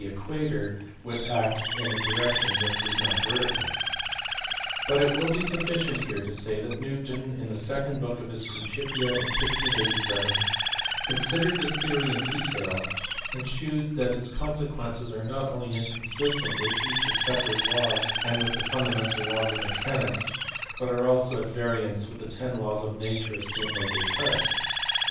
279 equator would act in a direction which was not vertical ; but it will be sufficient here to say that Newton in the second book of his Principia, 1687, considered the theory in detail, and shewed that its consequences are not only inconsistent with each of Kepler s laws and with the fundamental laws of mechanics, but are also at variance with the ten laws of nature assumed by Descartes.